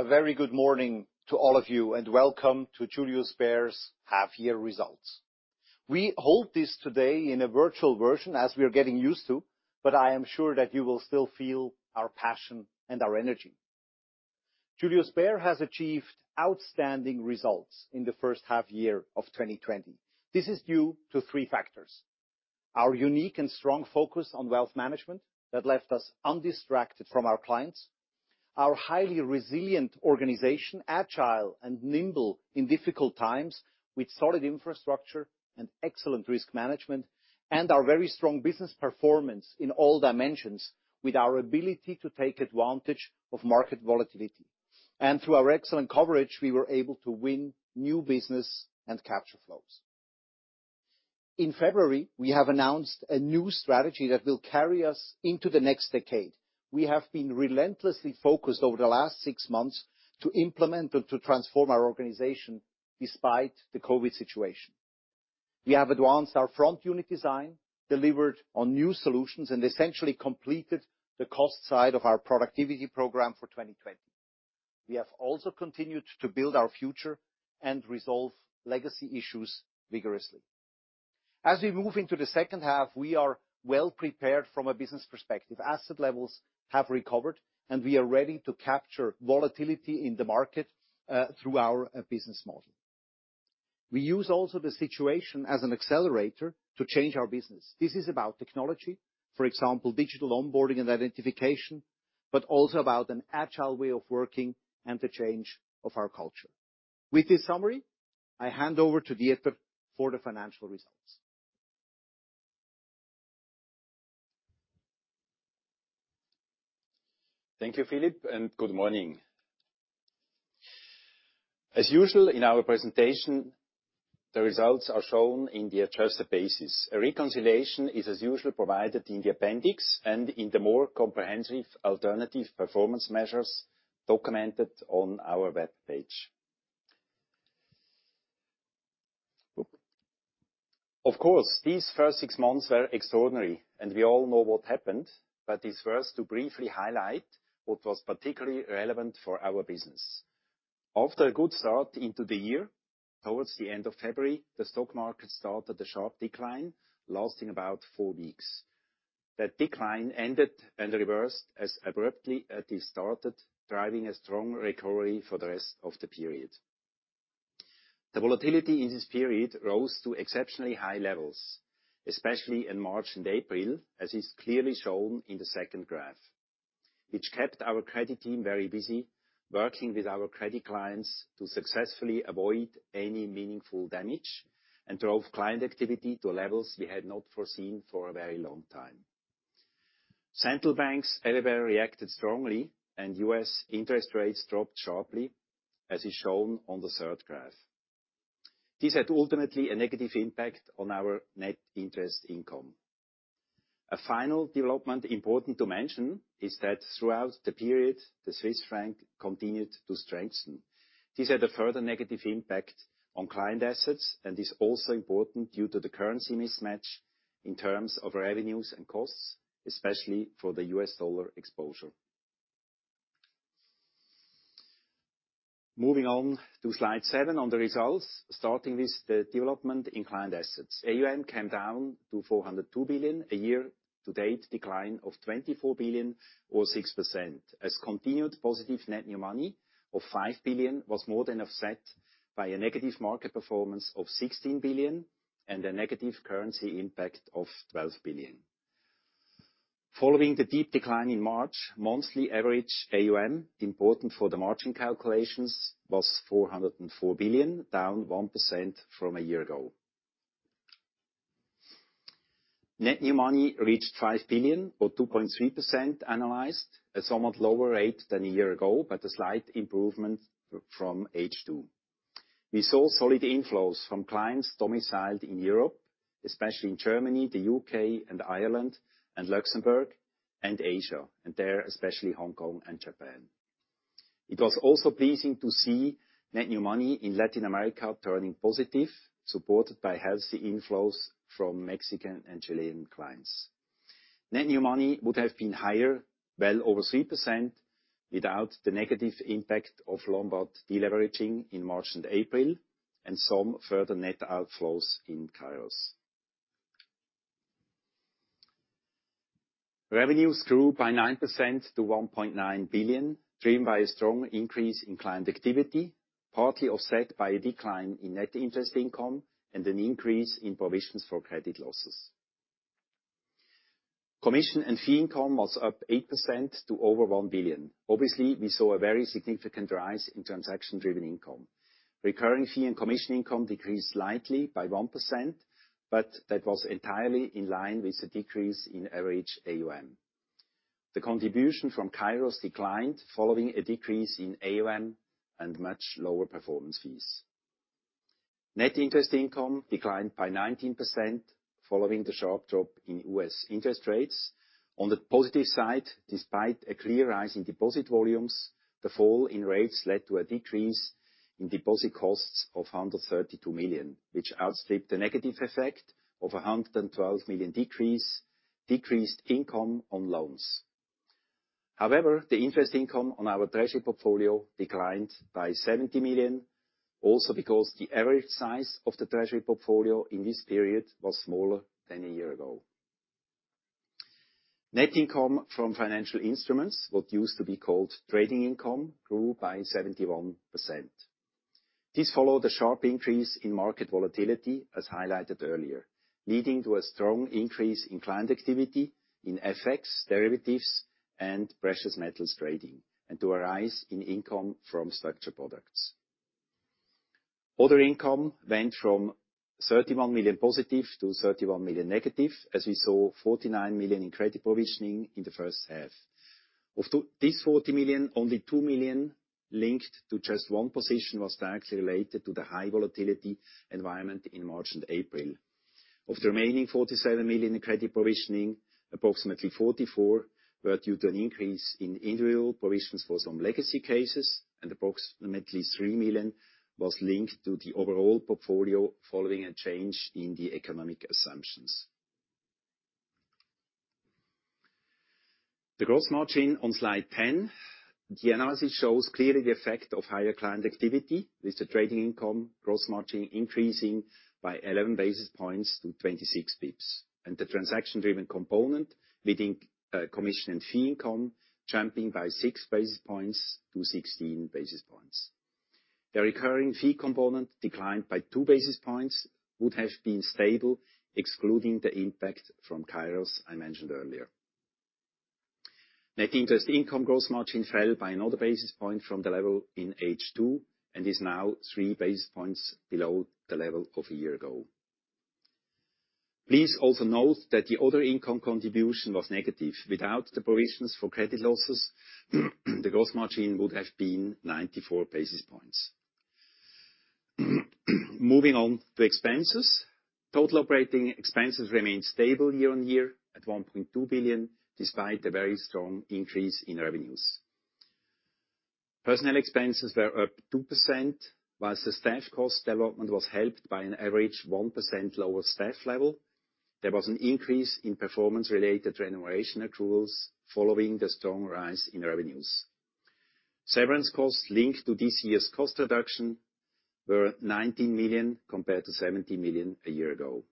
A very good morning to all of you, and welcome to Julius Baer's Half Year Results. We hold this today in a virtual version, as we are getting used to, but I am sure that you will still feel our passion and our energy. Julius Baer has achieved outstanding results in the first half year of 2020. This is due to three factors. Our unique and strong focus on wealth management that left us undistracted from our clients, our highly resilient organization, agile and nimble in difficult times, with solid infrastructure and excellent risk management, and our very strong business performance in all dimensions with our ability to take advantage of market volatility. Through our excellent coverage, we were able to win new business and capture flows. In February, we have announced a new strategy that will carry us into the next decade. We have been relentlessly focused over the last six months to implement and to transform our organization despite the COVID-19 situation. We have advanced our front unit design, delivered on new solutions, and essentially completed the cost side of our productivity program for 2020. We have also continued to build our future and resolve legacy issues vigorously. As we move into the second half, we are well-prepared from a business perspective. Asset levels have recovered, and we are ready to capture volatility in the market through our business model. We use also the situation as an accelerator to change our business. This is about technology, for example, digital onboarding and identification, but also about an agile way of working and the change of our culture. With this summary, I hand over to Dieter for the financial results. Thank you, Philipp, and good morning. As usual, in our presentation, the results are shown in the adjusted basis. A reconciliation is, as usual, provided in the appendix, and in the more comprehensive alternative performance measures documented on our webpage. These first six months were extraordinary, and we all know what happened. It's worth to briefly highlight what was particularly relevant for our business. After a good start into the year, towards the end of February, the stock market started a sharp decline, lasting about four weeks. That decline ended and reversed as abruptly as it started, driving a strong recovery for the rest of the period. The volatility in this period rose to exceptionally high levels, especially in March and April, as is clearly shown in the second graph, which kept our credit team very busy working with our credit clients to successfully avoid any meaningful damage, and drove client activity to levels we had not foreseen for a very long time. Central banks everywhere reacted strongly, and U.S. interest rates dropped sharply, as is shown on the third graph. This had ultimately a negative impact on our net interest income. A final development important to mention is that throughout the period, the Swiss franc continued to strengthen. This had a further negative impact on client assets, and is also important due to the currency mismatch in terms of revenues and costs, especially for the U.S. dollar exposure. Moving on to slide 7 on the results, starting with the development in client assets. AUM came down to 402 billion, a year-to-date decline of 24 billion or 6%. As continued positive net new money of 5 billion was more than offset by a negative market performance of 16 billion, and a negative currency impact of 12 billion. Following the deep decline in March, monthly average AUM, important for the margin calculations, was 404 billion, down 1% from a year ago. Net new money reached 5 billion, or 2.3% annualized, a somewhat lower rate than a year ago, but a slight improvement from H2. We saw solid inflows from clients domiciled in Europe, especially in Germany, the U.K. and Ireland, and Luxembourg, and Asia. There, especially Hong Kong and Japan. It was also pleasing to see net new money in Latin America turning positive, supported by healthy inflows from Mexican and Chilean clients. Net new money would have been higher, well over 3%, without the negative impact of Lombard de-leveraging in March and April, and some further net outflows in Kairos. Revenues grew by 9% to 1.9 billion, driven by a strong increase in client activity, partly offset by a decline in net interest income and an increase in provisions for credit losses. Commission and fee income was up 8% to over 1 billion. We saw a very significant rise in transaction-driven income. Recurring fee and commission income decreased slightly by 1%, that was entirely in line with the decrease in average AUM. The contribution from Kairos declined following a decrease in AUM and much lower performance fees. Net interest income declined by 19%, following the sharp drop in US interest rates. On the positive side, despite a clear rise in deposit volumes, the fall in rates led to a decrease in deposit costs of 132 million, which outstripped the negative effect of a 112 million decreased income on loans. However, the interest income on our treasury portfolio declined by 70 million, also because the average size of the treasury portfolio in this period was smaller than a year ago. Net income from financial instruments, what used to be called trading income, grew by 71%. This followed a sharp increase in market volatility, as highlighted earlier, leading to a strong increase in client activity in FX, derivatives, and precious metals trading, and to a rise in income from structured products. Other income went from 31 million positive to 31 million negative, as we saw 49 million in credit provisioning in the first half. Of this 40 million, only 2 million linked to just one position was directly related to the high volatility environment in March and April. Of the remaining 47 million in credit provisioning, approximately 44 were due to an increase in individual provisions for some legacy cases, and approximately 3 million was linked to the overall portfolio following a change in the economic assumptions. The gross margin on slide 10, the analysis shows clearly the effect of higher client activity, with the trading income gross margin increasing by 11 basis points to 26 basis points, and the transaction-driven component leading commission and fee income jumping by 6 basis points to 16 basis points. The recurring fee component declined by two basis points, would have been stable excluding the impact from Kairos I mentioned earlier. Net interest income gross margin fell by another basis point from the level in H2, and is now three basis points below the level of a year ago. Please also note that the other income contribution was negative. Without the provisions for credit losses, the gross margin would have been 94 basis points. Moving on to expenses. Total operating expenses remained stable year on year at 1.2 billion, despite the very strong increase in revenues. Personnel expenses were up 2%, whilst the staff cost development was helped by an average 1% lower staff level. There was an increase in performance-related remuneration accruals following the strong rise in revenues. Severance costs linked to this year's cost reduction were 19 million, compared to 17 million a year ago.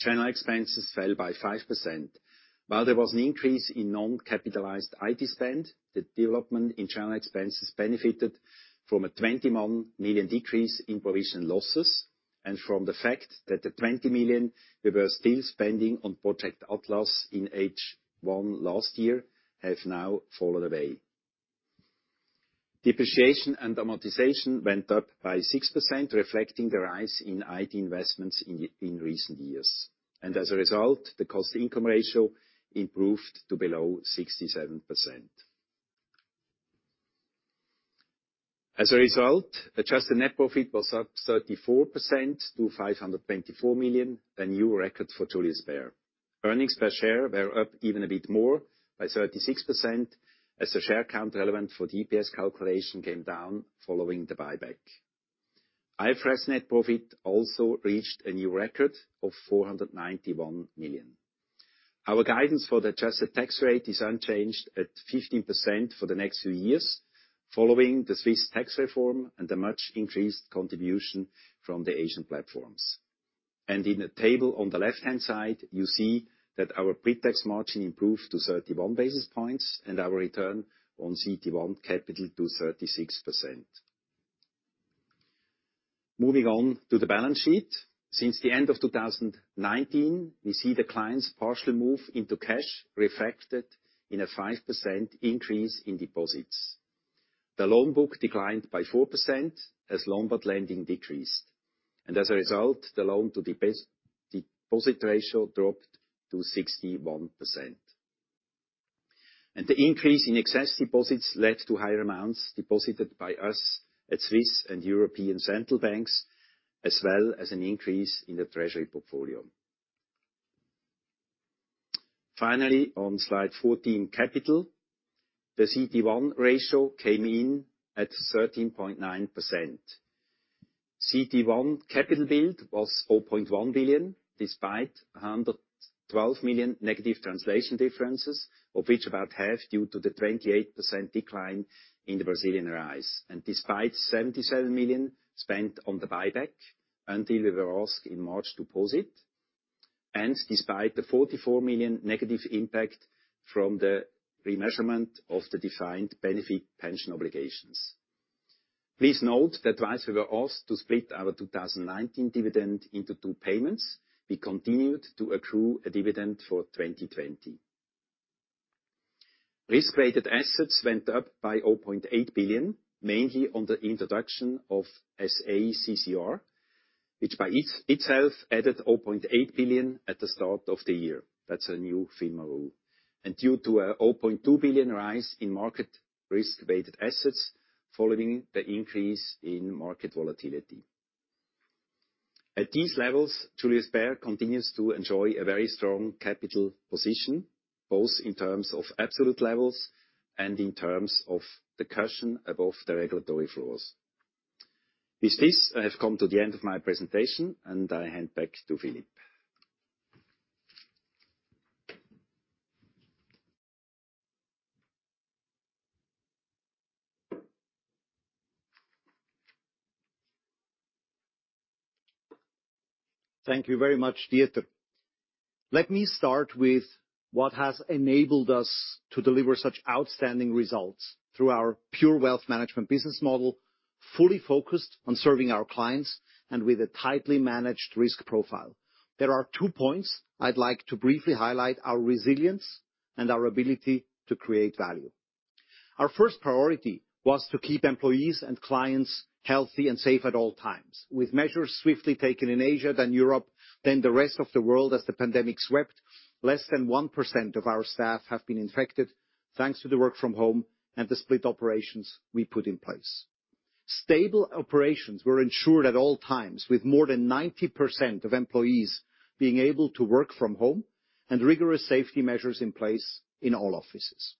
General expenses fell by 5%. While there was an increase in non-capitalized IT spend, the development in general expenses benefited from a 21 million decrease in provision losses, and from the fact that the 20 million we were still spending on Project Atlas in H1 last year have now fallen away. Depreciation and amortization went up by 6%, reflecting the rise in IT investments in recent years. As a result, the cost-to-income ratio improved to below 67%. As a result, adjusted net profit was up 34% to 524 million, a new record for Julius Baer. Earnings per share were up even a bit more, by 36%, as the share count relevant for the EPS calculation came down following the buyback. IFRS net profit also reached a new record of 491 million. Our guidance for the adjusted tax rate is unchanged at 15% for the next few years, following the Swiss tax reform and the much increased contribution from the Asian platforms. In the table on the left-hand side, you see that our pretax margin improved to 31 basis points, and our return on CET1 capital to 36%. Moving on to the balance sheet. Since the end of 2019, we see the clients partially move into cash, reflected in a 5% increase in deposits. The loan book declined by 4% as Lombard lending decreased. As a result, the loan-to-deposit ratio dropped to 61%. The increase in excess deposits led to higher amounts deposited by us at Swiss and European central banks, as well as an increase in the treasury portfolio. Finally, on slide 14, capital. The CET1 ratio came in at 13.9%. CET1 capital build was 4.1 billion, despite 112 million negative translation differences, of which about half due to the 28% decline in the Brazilian reais, and despite 77 million spent on the buyback until we were asked in March to pause it, and despite the 44 million negative impact from the re-measurement of the defined benefit pension obligations. Please note that while we were asked to split our 2019 dividend into two payments, we continued to accrue a dividend for 2020. Risk-weighted assets went up by 0.8 billion, mainly on the introduction of SA-CCR, which by itself added 0.8 billion at the start of the year. That's a new FINMA rule. Due to a 0.2 billion rise in market risk-weighted assets following the increase in market volatility. At these levels, Julius Baer continues to enjoy a very strong capital position, both in terms of absolute levels and in terms of the cushion above the regulatory floors. With this, I have come to the end of my presentation. I hand back to Philipp. Thank you very much, Dieter. Let me start with what has enabled us to deliver such outstanding results through our pure wealth management business model, fully focused on serving our clients, and with a tightly managed risk profile. There are two points I'd like to briefly highlight: our resilience and our ability to create value. Our first priority was to keep employees and clients healthy and safe at all times. With measures swiftly taken in Asia, then Europe, then the rest of the world as the pandemic swept, less than 1% of our staff have been infected thanks to the work from home and the split operations we put in place. Stable operations were ensured at all times, with more than 90% of employees being able to work from home and rigorous safety measures in place in all offices.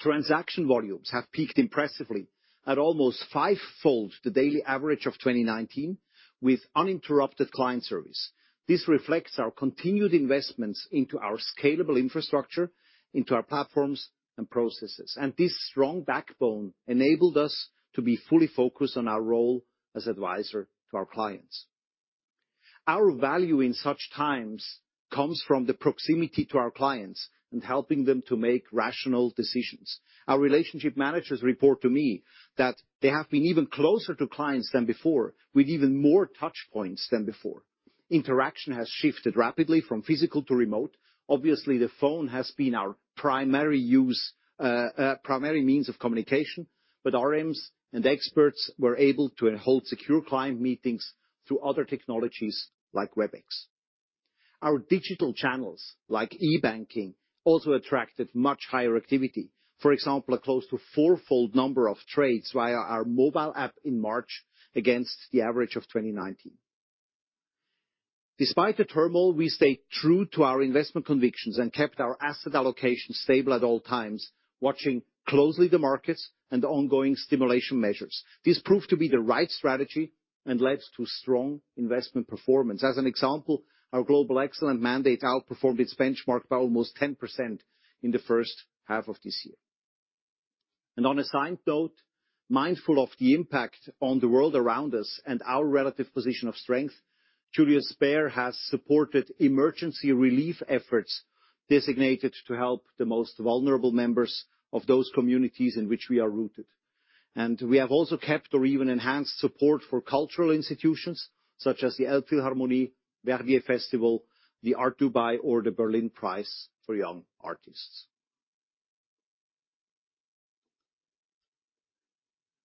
Transaction volumes have peaked impressively at almost five-fold the daily average of 2019, with uninterrupted client service. This reflects our continued investments into our scalable infrastructure, into our platforms and processes. This strong backbone enabled us to be fully focused on our role as advisor to our clients. Our value in such times comes from the proximity to our clients and helping them to make rational decisions. Our relationship managers report to me that they have been even closer to clients than before, with even more touchpoints than before. Interaction has shifted rapidly from physical to remote. Obviously, the phone has been our primary use, primary means of communication, but RMs and experts were able to hold secure client meetings through other technologies like Webex. Our digital channels, like e-banking, also attracted much higher activity. For example, a close to four-fold number of trades via our mobile app in March against the average of 2019. Despite the turmoil, we stayed true to our investment convictions and kept our asset allocation stable at all times, watching closely the markets and the ongoing stimulation measures. This proved to be the right strategy and led to strong investment performance. As an example, our Global Excellence mandate outperformed its benchmark by almost 10% in the first half of this year. On a side note, mindful of the impact on the world around us and our relative position of strength, Julius Baer has supported emergency relief efforts designated to help the most vulnerable members of those communities in which we are rooted. We have also kept or even enhanced support for cultural institutions such as the Elbphilharmonie, Verbier Festival, the Art Dubai or the Berlin Prize for Young Artists.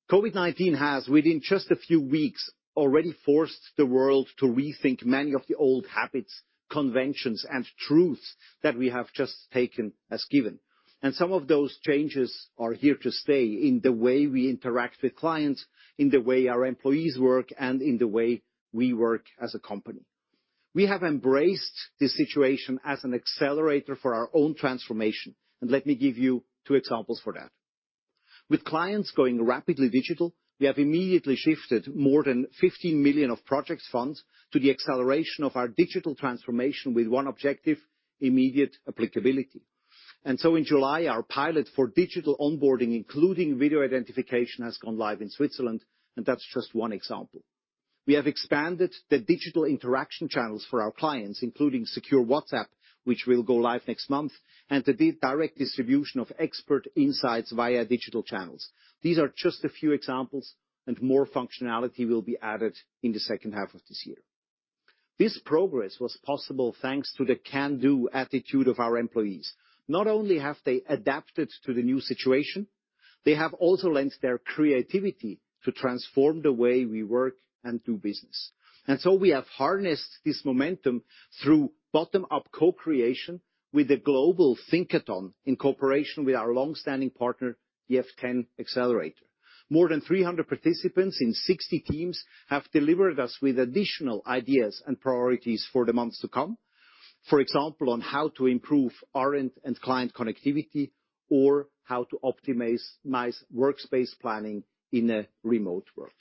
COVID-19 has, within just a few weeks, already forced the world to rethink many of the old habits, conventions, and truths that we have just taken as given. Some of those changes are here to stay in the way we interact with clients, in the way our employees work, and in the way we work as a company. We have embraced the situation as an accelerator for our own transformation. Let me give you two examples for that. With clients going rapidly digital, we have immediately shifted more than 15 million of project funds to the acceleration of our digital transformation with one objective, immediate applicability. In July, our pilot for digital onboarding, including video identification, has gone live in Switzerland, and that's just one example. We have expanded the digital interaction channels for our clients, including secure WhatsApp, which will go live next month, and the direct distribution of expert insights via digital channels. These are just a few examples, and more functionality will be added in the second half of this year. This progress was possible thanks to the can-do attitude of our employees. Not only have they adapted to the new situation, they have also lent their creativity to transform the way we work and do business. We have harnessed this momentum through bottom-up co-creation with a global think-a-thon in cooperation with our longstanding partner, the F10 Accelerator. More than 300 participants in 60 teams have delivered us with additional ideas and priorities for the months to come. For example, on how to improve RM and client connectivity or how to optimize my workspace planning in a remote world.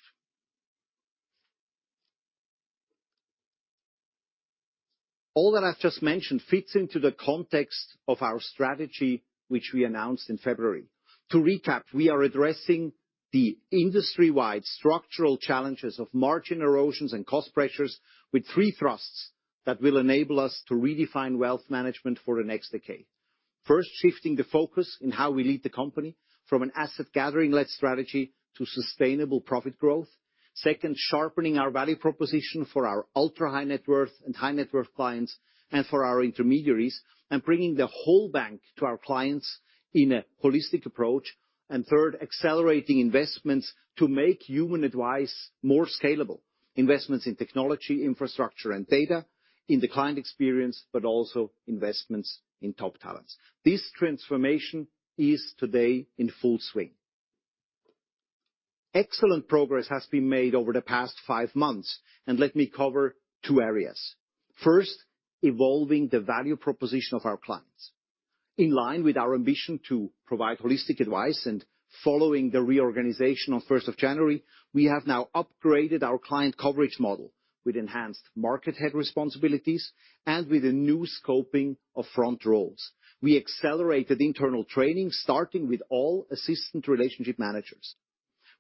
All that I've just mentioned fits into the context of our strategy which we announced in February. To recap, we are addressing the industry-wide structural challenges of margin erosions and cost pressures with three thrusts that will enable us to redefine wealth management for the next decade. First, shifting the focus in how we lead the company from an asset-gathering-led strategy to sustainable profit growth. Second, sharpening our value proposition for our ultra-high net worth and high net worth clients and for our intermediaries and bringing the whole bank to our clients in a holistic approach. Third, accelerating investments to make human advice more scalable. Investments in technology, infrastructure, and data in the client experience, but also investments in top talents. This transformation is today in full swing. Excellent progress has been made over the past five months, and let me cover two areas. First, evolving the value proposition of our clients. In line with our ambition to provide holistic advice and following the reorganization on first of January, we have now upgraded our client coverage model with enhanced market head responsibilities and with a new scoping of front roles. We accelerated internal training, starting with all assistant relationship managers.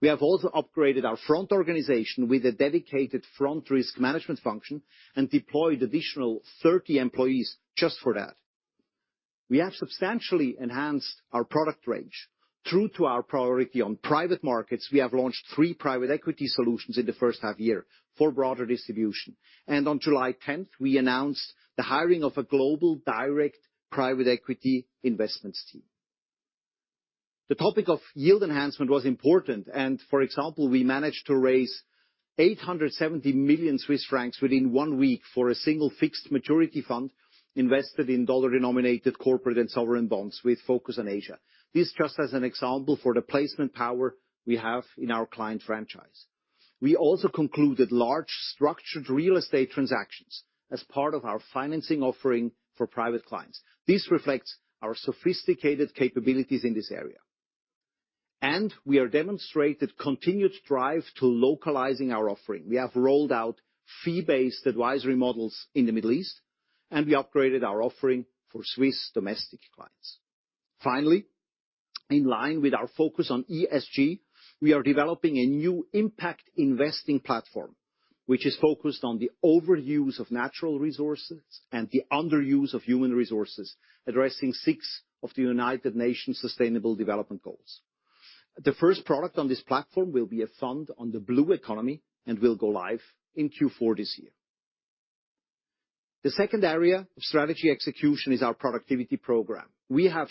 We have also upgraded our front organization with a dedicated front risk management function, and deployed additional 30 employees just for that. We have substantially enhanced our product range. True to our priority on private markets, we have launched three private equity solutions in the first half-year for broader distribution. On July tenth, we announced the hiring of a global direct private equity investments team. The topic of yield enhancement was important. For example, we managed to raise 870 million Swiss francs within 1 week for a single fixed maturity fund invested in dollar-denominated corporate and sovereign bonds with focus on Asia. This just as an example for the placement power we have in our client franchise. We also concluded large structured real estate transactions as part of our financing offering for private clients. This reflects our sophisticated capabilities in this area. We are demonstrated continued drive to localizing our offering. We have rolled out fee-based advisory models in the Middle East, and we upgraded our offering for Swiss domestic clients. Finally, in line with our focus on ESG, we are developing a new impact investing platform, which is focused on the overuse of natural resources and the underuse of human resources, addressing 6 of the United Nations sustainable development goals. The first product on this platform will be a fund on the blue economy and will go live in Q4 this year. The second area of strategy execution is our productivity program. Therefore,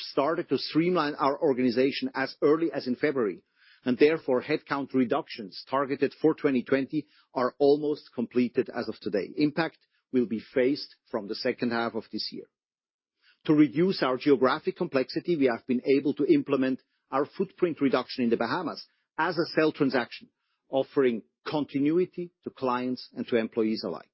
headcount reductions targeted for 2020 are almost completed as of today. Impact will be phased from the second half of this year. To reduce our geographic complexity, we have been able to implement our footprint reduction in the Bahamas as a sale transaction, offering continuity to clients and to employees alike.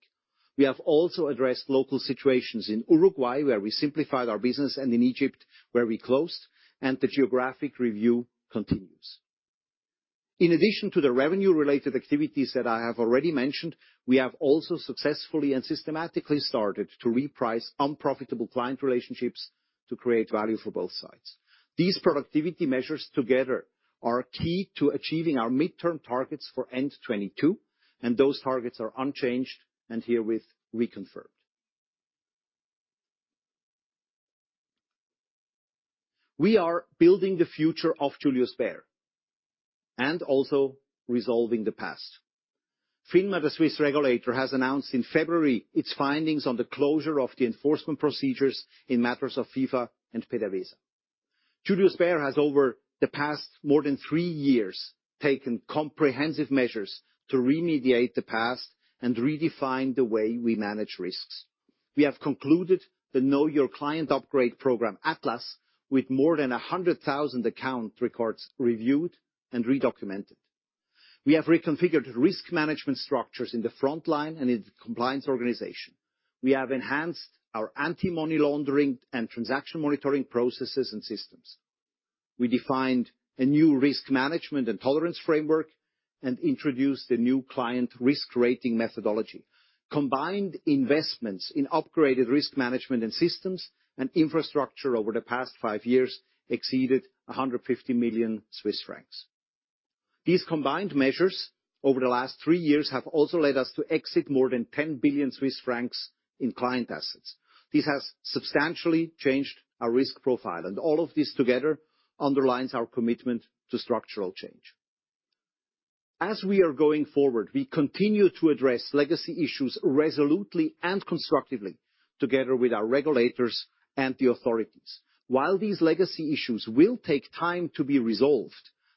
We have also addressed local situations in Uruguay, where we simplified our business, and in Egypt, where we closed, and the geographic review continues. In addition to the revenue-related activities that I have already mentioned, we have also successfully and systematically started to reprice unprofitable client relationships to create value for both sides. These productivity measures together are key to achieving our midterm targets for end 2022. Those targets are unchanged and herewith reconfirmed. We are building the future of Julius Baer and also resolving the past. FINMA, the Swiss regulator, has announced in February its findings on the closure of the enforcement procedures in matters of FIFA and PDVSA. Julius Baer has, over the past more than three years, taken comprehensive measures to remediate the past and redefine the way we manage risks. We have concluded the Know Your Client upgrade program, Atlas, with more than 100,000 account records reviewed and redocumented. We have reconfigured risk management structures in the front line and in the compliance organization. We have enhanced our anti-money laundering and transaction monitoring processes and systems. We defined a new risk management and tolerance framework and introduced a new client risk rating methodology. Combined investments in upgraded risk management and systems and infrastructure over the past five years exceeded 150 million Swiss francs. These combined measures over the last three years have also led us to exit more than 10 billion Swiss francs in client assets. This has substantially changed our risk profile, and all of this together underlines our commitment to structural change. As we are going forward, we continue to address legacy issues resolutely and constructively together with our regulators and the authorities. While these legacy issues will take time to be resolved,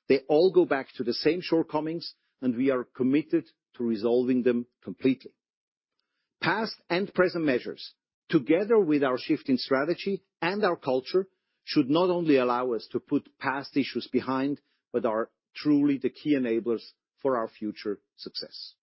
they all go back to the same shortcomings, and we are committed to resolving them completely. Past and present measures, together with our shift in strategy and our culture, should not only allow us to put past issues behind, but are truly the key enablers for our future success.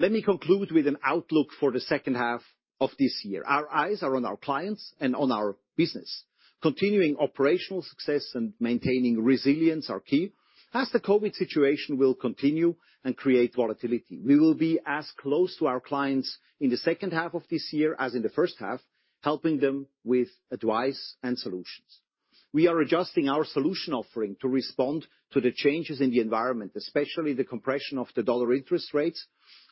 Let me conclude with an outlook for the second half of this year. Our eyes are on our clients and on our business. Continuing operational success and maintaining resilience are key, as the COVID-19 situation will continue and create volatility. We will be as close to our clients in the second half of this year as in the first half, helping them with advice and solutions. We are adjusting our solution offering to respond to the changes in the environment, especially the compression of the U.S. dollar interest rates,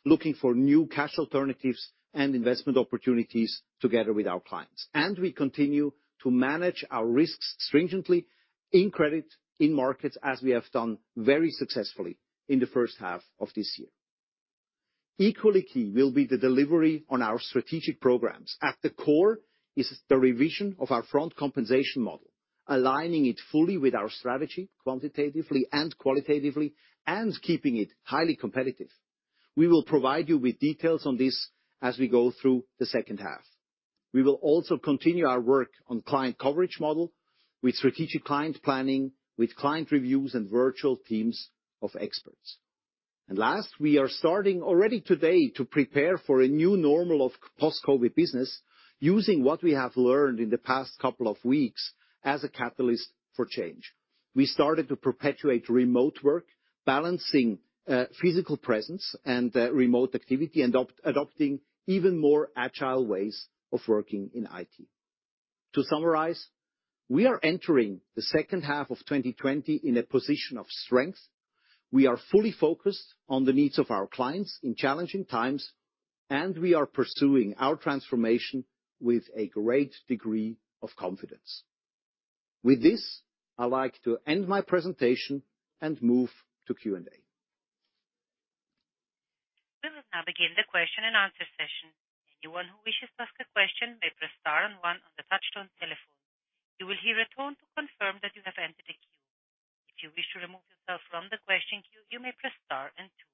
looking for new cash alternatives and investment opportunities together with our clients. We continue to manage our risks stringently in credit, in markets, as we have done very successfully in the first half of this year. Equally key will be the delivery on our strategic programs. At the core is the revision of our front compensation model, aligning it fully with our strategy quantitatively and qualitatively, and keeping it highly competitive. We will provide you with details on this as we go through the second half. We will also continue our work on client coverage model with strategic client planning, with client reviews and virtual teams of experts. Last, we are starting already today to prepare for a new normal of post-COVID business using what we have learned in the past couple of weeks as a catalyst for change. We started to perpetuate remote work, balancing physical presence and remote activity and adopting even more agile ways of working in IT. To summarize, we are entering the second half of 2020 in a position of strength. We are fully focused on the needs of our clients in challenging times, and we are pursuing our transformation with a great degree of confidence. With this, I'd like to end my presentation and move to Q&A. We will now begin the question-and-answer session. Anyone who wishes to ask a question may press star and one on the touchtone telephone. You will hear a tone to confirm that you have entered a queue. If you wish to remove yourself from the question queue, you may press star and two.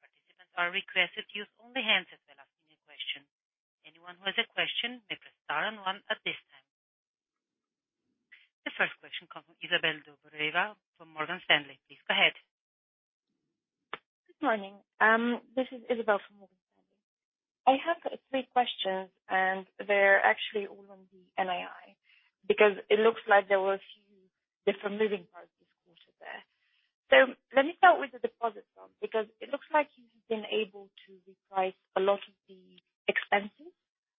Participants are requested to use only hands if they're asking a question. Anyone who has a question, may press star and one at this time. The first question comes from Izabel Dobreva from Morgan Stanley. Please go ahead. Good morning. This is Izabel. I have three questions, and they're actually all on the NII, because it looks like there were a few different moving parts this quarter there. Let me start with the deposit problem, because it looks like you've been able to reprice a lot of the expenses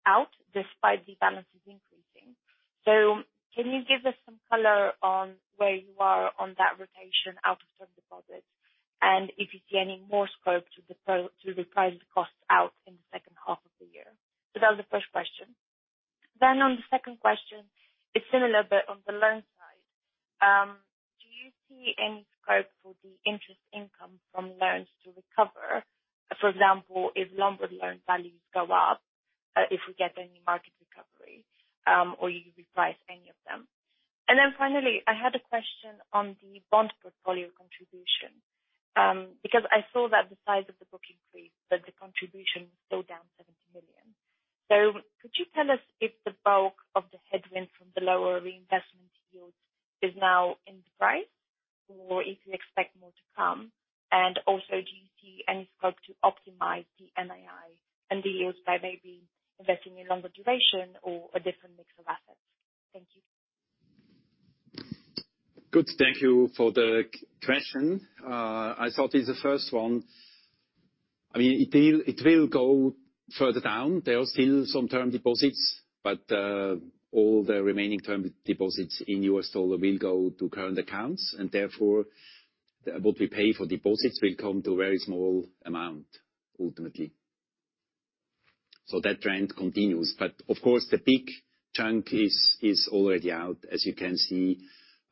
out despite the balances increasing. Can you give us some color on where you are on that rotation out of term deposits, and if you see any more scope to reprice the costs out in the second half of the year? That was the first question. On the second question, it's similar, but on the loan side. Do you see any scope for the interest income from loans to recover? For example, if Lombard values go up, if we get any market recovery, or you reprice any of them. Finally, I had a question on the bond portfolio contribution, because I saw that the size of the book increased, but the contribution was still down 70 million. Could you tell us if the bulk of the headwind from the lower reinvestment yields is now in the price or if you expect more to come? Do you see any scope to optimize the NII and the yields by maybe investing in longer duration or a different mix of assets? Thank you. Good. Thank you for the question. I thought in the first one I mean, it will go further down. There are still some term deposits, but all the remaining term deposits in U.S. Dollar will go to current accounts, and therefore, what we pay for deposits will come to a very small amount ultimately. That trend continues. Of course, the big chunk is already out, as you can see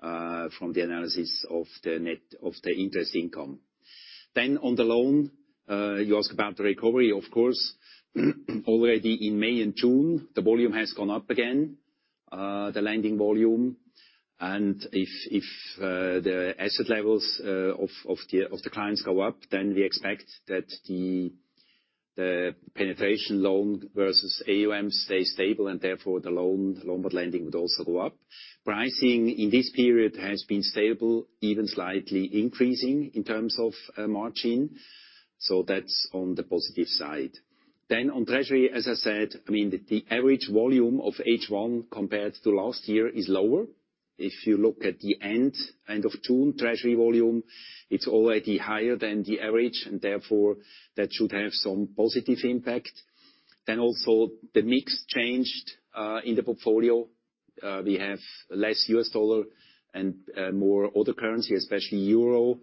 from the analysis of the net of the interest income. On the loan, you asked about the recovery. Of course already in May and June, the volume has gone up again, the lending volume. If the asset levels of the clients go up, then we expect that the penetration loan versus AUM stay stable, and therefore the loan with lending would also go up. Pricing in this period has been stable, even slightly increasing in terms of margin. That's on the positive side. On treasury, as I said, I mean, the average volume of H1 compared to last year is lower. If you look at the end of June treasury volume, it's already higher than the average, and therefore that should have some positive impact. Also the mix changed in the portfolio. We have less US dollar and more other currency, especially euro.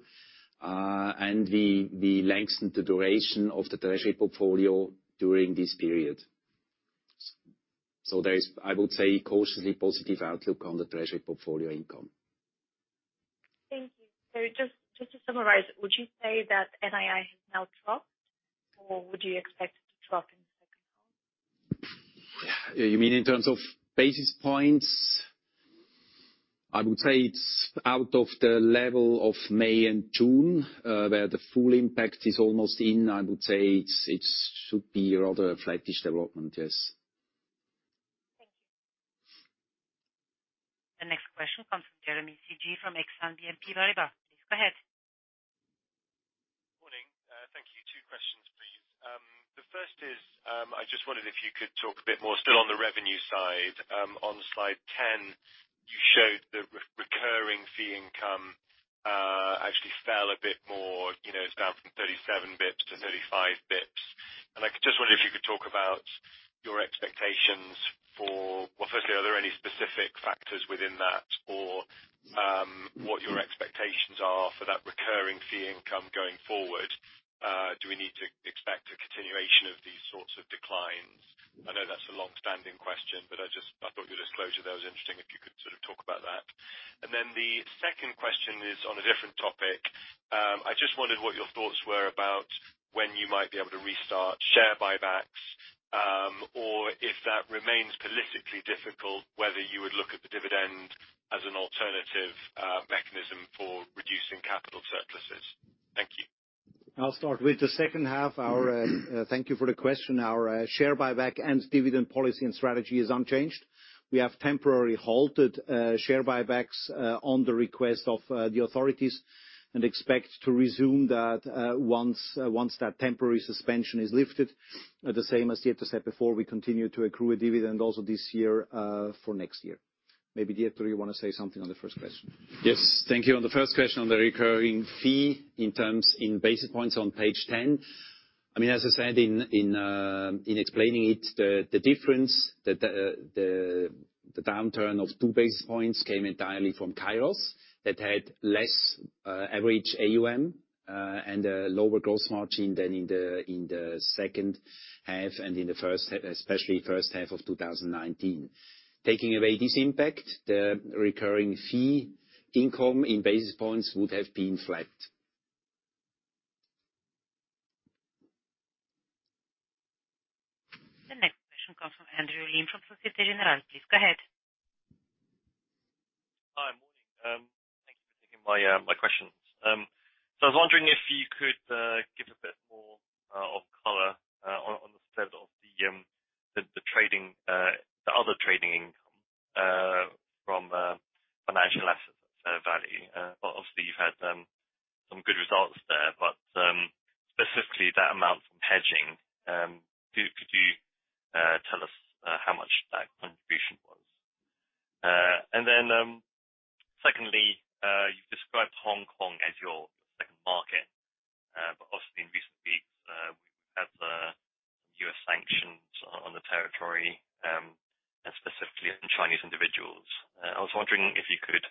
We lengthened the duration of the treasury portfolio during this period. There is, I would say, cautiously positive outlook on the treasury portfolio income. Thank you. Just to summarize, would you say that NII has now dropped, or would you expect it to drop in the second half? You mean in terms of basis points? I would say it's out of the level of May and June, where the full impact is almost in. I would say it should be a rather flattish development, yes. Thank you. The next question comes from Jeremy Sigee from Exane BNP Paribas. Please go ahead. Morning. Thank you. Two questions, please. The first is, I just wondered if you could talk a bit more still on the revenue side. On slide 10, you showed the recurring fee income, actually fell a bit more. You know, it's down from 37 basis points to 35 basis points. I just wondered if you could talk about your expectations for Well, firstly, are there any specific factors within that or, what your expectations are for that recurring fee income going forward? Do we need to expect a continuation of these sorts of declines? I know that's a longstanding question, I thought your disclosure there was interesting, if you could sort of talk about that. Then the second question is on a different topic. I just wondered what your thoughts were about when you might be able to restart share buybacks? Or if that remains politically difficult, whether you would look at the dividend as an alternative mechanism for reducing capital surpluses. Thank you. I'll start with the second half. Thank you for the question. Our share buyback and dividend policy and strategy is unchanged. We have temporarily halted share buybacks on the request of the authorities and expect to resume that once that temporary suspension is lifted. The same as Dieter said before, we continue to accrue a dividend also this year for next year. Maybe, Dieter, you want to say something on the first question? Yes. Thank you. On the first question, on the recurring fee in terms, in basis points on page 10. I mean, as I said in explaining it, the difference, the downturn of 2 basis points came entirely from Kairos that had less average AUM and a lower gross margin than in the second half and in the first half, especially first half of 2019. Taking away this impact, the recurring fee income in basis points would have been flat. The next question comes from Andrew Lim from Societe Generale. Please go ahead. Hi. Morning. Thank you for taking my questions. I was wondering if you could give a bit more of color on the sale of the other trading income from financial assets at fair value. Obviously you've had some good results there, but specifically that amount from hedging, could you tell us how much that contribution was? Secondly, you've described Hong Kong as your second market, obviously in recent weeks we've had U.S. sanctions on the territory and specifically on Chinese individuals. I was wondering if you could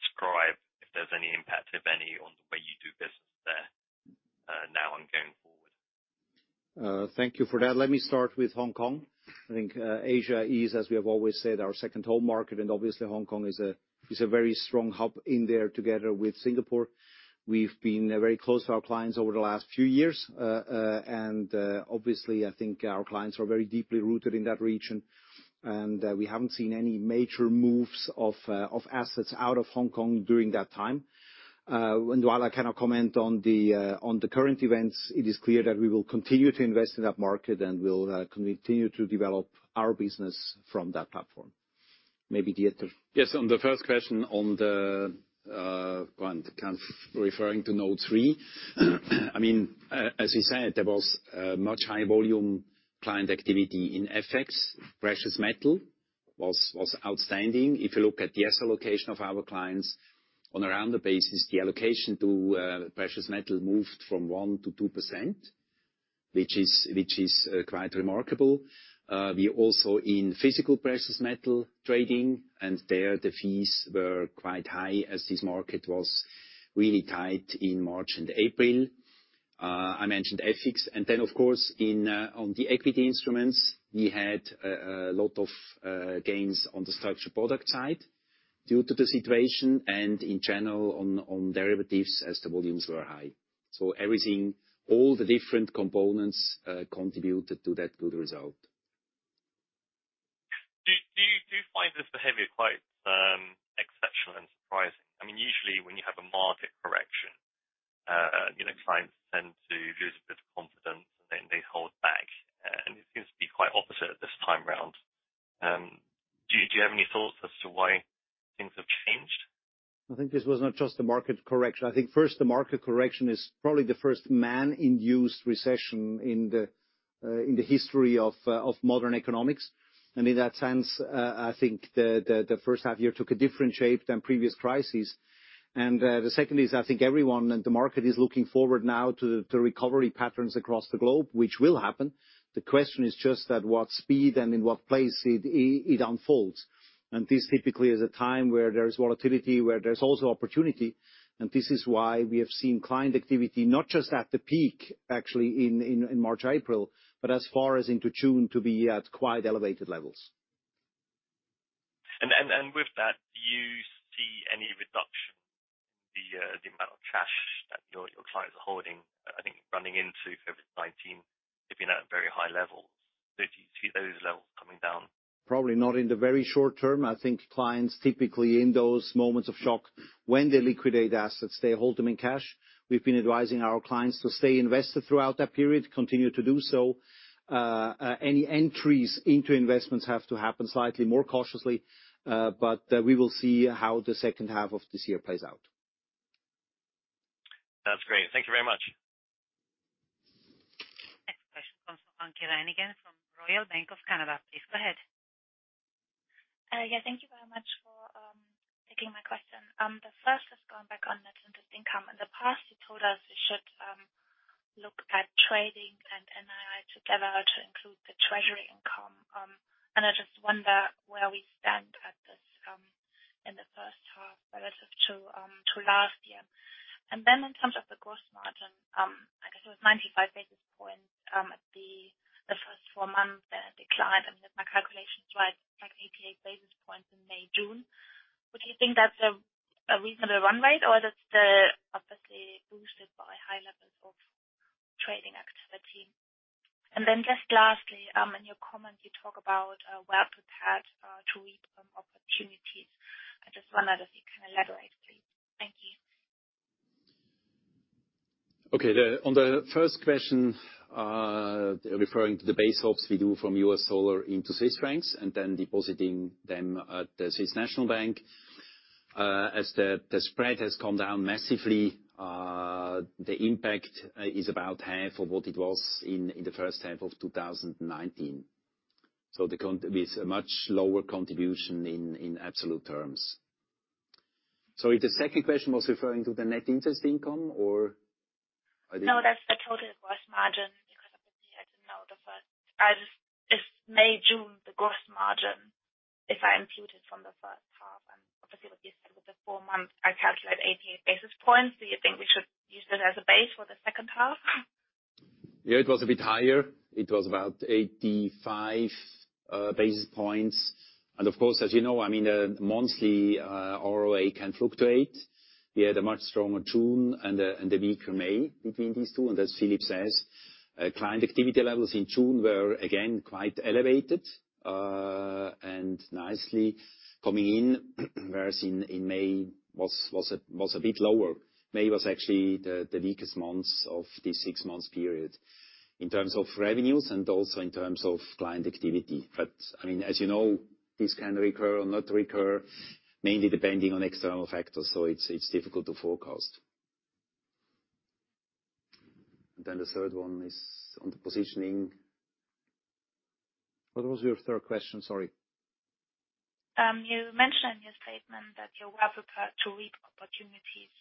describe if there's any impact, if any, on the way you do business there now and going forward. Thank you for that. Let me start with Hong Kong. I think Asia is, as we have always said, our second home market, and obviously Hong Kong is a very strong hub in there together with Singapore. We've been very close to our clients over the last few years. Obviously, I think our clients are very deeply rooted in that region. We haven't seen any major moves of assets out of Hong Kong during that time. While I cannot comment on the current events, it is clear that we will continue to invest in that market, and we'll continue to develop our business from that platform. Maybe Dieter. Yes. On the first question, on the [go on], kind of referring to note 3. I mean, as we said, there was much high volume client activity in FX. Precious metal was outstanding. If you look at the asset allocation of our clients, on a rounded basis, the allocation to precious metal moved from 1% to 2%, which is quite remarkable. We also in physical precious metal trading, and there the fees were quite high as this market was really tight in March and April. I mentioned FX. Then, of course, on the equity instruments, we had a lot of gains on the structured product side due to the situation and in general on derivatives as the volumes were high. Everything, all the different components contributed to that good result. Do you find this behavior quite exceptional and surprising? I mean, usually when you have a market correction, you know, clients tend to lose a bit of confidence, and then they hold back. It seems to be quite opposite this time around. Do you have any thoughts as to why things have changed? I think this was not just a market correction. I think first the market correction is probably the first man-induced recession in the history of modern economics. In that sense, I think the first half year took a different shape than previous crises. The second is, I think everyone in the market is looking forward now to the recovery patterns across the globe, which will happen. The question is just at what speed and in what place it unfolds. This typically is a time where there is volatility, where there's also opportunity. This is why we have seen client activity, not just at the peak, actually in March, April, but as far as into June to be at quite elevated levels. With that, do you see any reduction in the amount of cash that your clients are holding? I think running into COVID-19, they've been at very high levels. Do you see those levels coming down? Probably not in the very short term. I think clients typically in those moments of shock, when they liquidate assets, they hold them in cash. We've been advising our clients to stay invested throughout that period, continue to do so. Any entries into investments have to happen slightly more cautiously, but we will see how the second half of this year plays out. That's great. Thank you very much. Next question comes from Anke Reingen from Royal Bank of Canada. Please go ahead. Thank you very much for taking my question. The first is going back on net interest income. In the past, you told us we should look at trading and NII together to include the treasury income. I just wonder where we stand at this in the first half relative to last year. In terms of the gross margin, I guess it was 95 basis points at the first four months decline. Basis points in May, June. Would you think that's a reasonable run rate, or that's obviously boosted by high levels of trading activity? Just lastly, in your comments you talk about well prepared to reap opportunities. I just wonder if you can elaborate, please. Thank you. Okay. On the first question, referring to the basis swaps we do from U.S. dollar into Swiss francs, and then depositing them at the Swiss National Bank. As the spread has come down massively, the impact is about half of what it was in the first half of 2019. With a much lower contribution in absolute terms. Sorry, the second question was referring to the net interest income? That's the total gross margin because obviously I didn't know the first. It's May, June, the gross margin, if I imputed from the first half. Obviously what you said with the four months, I calculate 88 basis points. Do you think we should use that as a base for the second half? Yeah, it was a bit higher. It was about 85 basis points. Of course, as you know, I mean, monthly ROA can fluctuate. We had a much stronger June and a weaker May between these two. As Philipp says, client activity levels in June were again quite elevated and nicely coming in, whereas in May was a bit lower. May was actually the weakest months of this six months period in terms of revenues and also in terms of client activity. I mean, as you know, this can recur or not recur, mainly depending on external factors, so it's difficult to forecast. The third one is on the positioning. What was your third question? Sorry. You mentioned in your statement that you're well prepared to reap opportunities.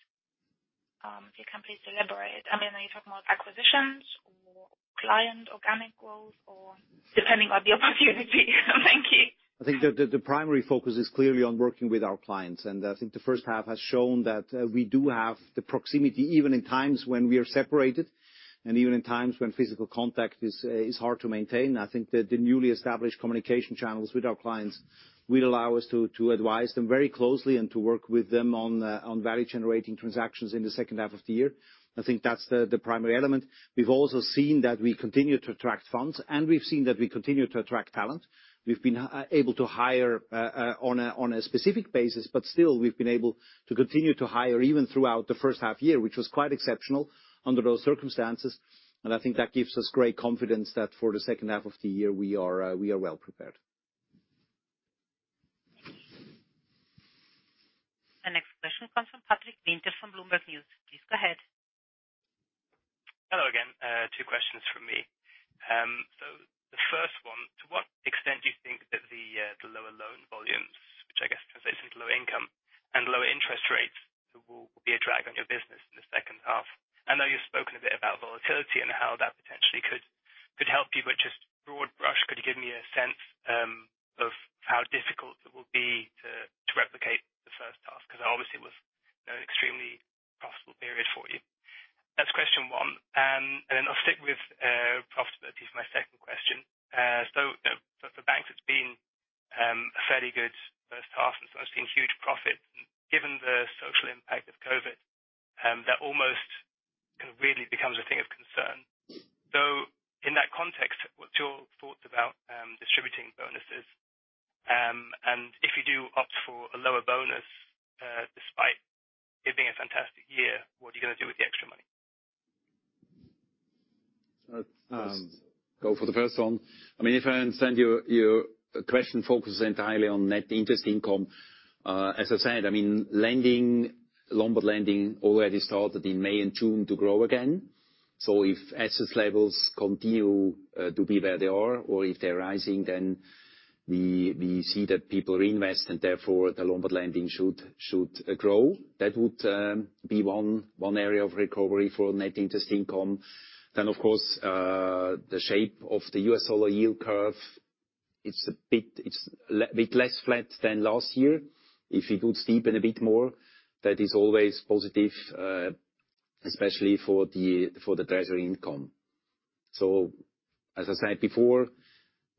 If you can please elaborate, are you talking about acquisitions or client organic growth or depending on the opportunity? Thank you. I think the primary focus is clearly on working with our clients. I think the first half has shown that we do have the proximity, even in times when we are separated and even in times when physical contact is hard to maintain. I think the newly established communication channels with our clients will allow us to advise them very closely and to work with them on value-generating transactions in the second half of the year. I think that's the primary element. We've also seen that we continue to attract funds, and we've seen that we continue to attract talent. We've been able to hire on a specific basis, still we've been able to continue to hire even throughout the first half year, which was quite exceptional under those circumstances. I think that gives us great confidence that for the second half of the year, we are well prepared. The next question comes from Patrick Winters from Bloomberg News. Please go ahead. Hello again. Two questions from me. The 1st one, to what extent do you think that the lower loan volumes, which I guess translates into lower income and lower interest rates, will be a drag on your business in the second half? I know you've spoken a bit about volatility and how that potentially could help you, but just broad brush, could you give me a sense of how difficult it will be to replicate the first half? Because that obviously was an extremely profitable period for you. That's question one. I'll stick with profitability for my second question. For banks, it's been a fairly good first half, I've seen huge profits. Given the social impact of COVID-19, that almost kind of really becomes a thing of concern. In that context, what's your thoughts about distributing bonuses? If you do opt for a lower bonus, despite it being a fantastic year, what are you going to do with the extra money? Let's go for the first one. I mean, if I understand your question focuses entirely on net interest income. As I said, I mean, Lombard lending already started in May and June to grow again. If assets levels continue to be where they are or if they're rising, then we see that people reinvest and therefore the Lombard lending should grow. That would be one area of recovery for net interest income. Of course, the shape of the US dollar yield curve, it's a bit less flat than last year. If it would steepen a bit more, that is always positive, especially for the treasury income. As I said before,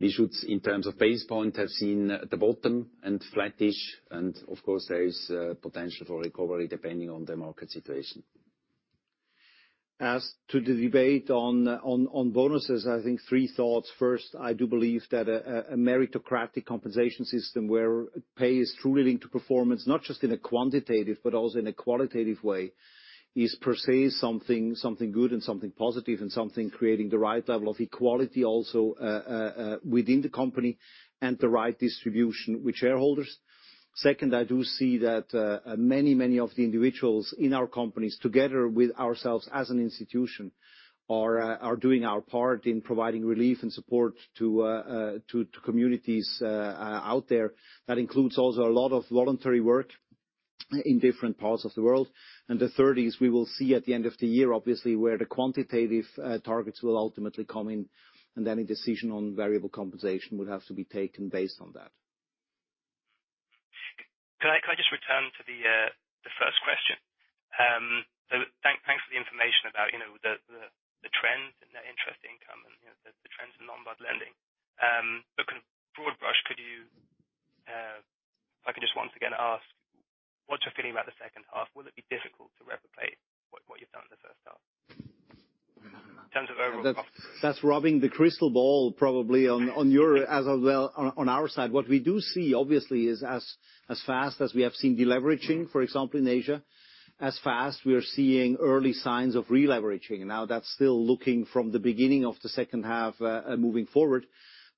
we should, in terms of basis point, have seen the bottom and flattish, and of course there is potential for recovery depending on the market situation. As to the debate on bonuses, I think three thoughts. First, I do believe that a meritocratic compensation system where pay is truly linked to performance, not just in a quantitative, but also in a qualitative way, is per se something good and something positive and something creating the right level of equality also within the company and the right distribution with shareholders. Second, I do see that many of the individuals in our companies, together with ourselves as an institution, are doing our part in providing relief and support to communities out there. That includes also a lot of voluntary work in different parts of the world. The third is we will see at the end of the year, obviously, where the quantitative targets will ultimately come in, and then a decision on variable compensation would have to be taken based on that. Can I just return to the first question? Maybe information about, you know, the trends in the interest income and, you know, the trends in Lombard lending. Kind of broad brush, if I could just once again ask what's your feeling about the second half? Will it be difficult to replicate what you've done in the first half in terms of overall costs? That's rubbing the crystal ball probably on your, as well on our side. What we do see obviously is as fast as we have seen de-leveraging, for example, in Asia, as fast we are seeing early signs of re-leveraging. That's still looking from the beginning of the second half, moving forward.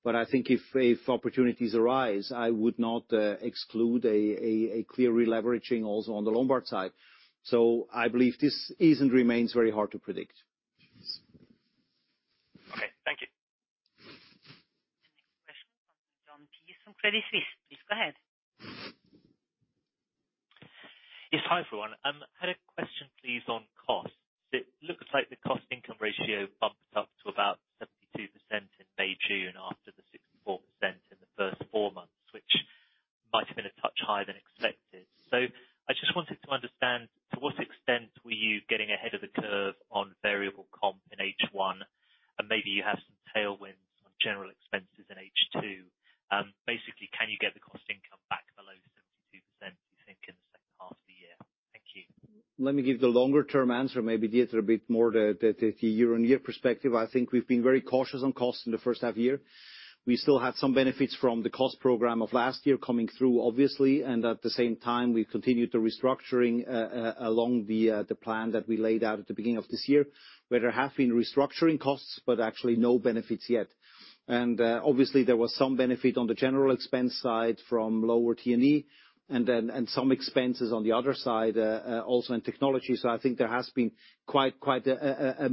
I think if opportunities arise, I would not exclude a clear re-leveraging also on the Lombard side. I believe this is and remains very hard to predict. Okay. Thank you. The next question comes from Jon Peace from Credit Suisse. Please go ahead. Yes. Hi, everyone. Had a question please on costs. It looks like the cost-to-income ratio bumped up to about 72% in May/June after the 64% in the first four months, which might have been a touch higher than expected. I just wanted to understand to what extent were you getting ahead of the curve on variable comp in H1, and maybe you have some tailwinds on general expenses in H2. Basically can you get the cost-to-income back below 72%, do you think, in the second half of the year? Thank you. Let me give the longer term answer, maybe Dieter a bit more the year-on-year perspective. I think we've been very cautious on costs in the first half-year. We still had some benefits from the cost program of last year coming through, obviously, and at the same time, we continued the restructuring along the plan that we laid out at the beginning of this year, where there have been restructuring costs, but actually no benefits yet. Obviously there was some benefit on the general expense side from lower T&E and some expenses on the other side also in technology. I think there has been quite a